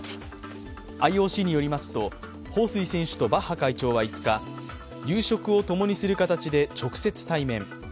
ＩＯＣによりますと彭帥選手とバッハ会長は５日、夕食を共にする形で直接対面。